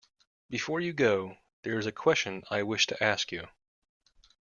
Before you go, there is a question I wish to ask you.